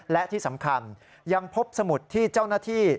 และที่สำคัญยังพบสมุดที่เจ้าหน้าที่